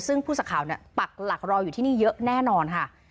ซึ่งผู้สักข่าวเนี่ยปักหลักรออยู่ที่นี่เยอะแน่นอนค่ะ